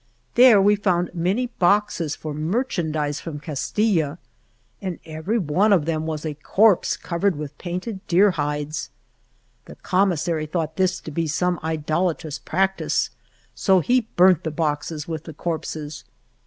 There we found many boxes for merchandize from Castilla. In every one of them was a corpse covered with painted deer hides. The com missary thought this to be some idolatrous practice, so he burnt the boxes with the corpses.